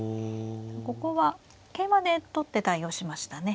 ここは桂馬で取って対応しましたね。